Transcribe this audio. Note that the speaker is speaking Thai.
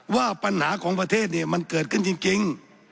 ว่าปัญหาของประเทศเนี่ยมันเกิดขึ้นจริง